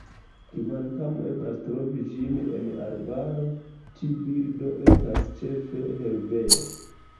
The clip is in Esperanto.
Kvankam eblas trovi ĝin en arbaro, tiu birdo estas ĉefe herbeja.